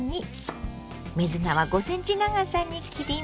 水菜は５ｃｍ長さに切ります。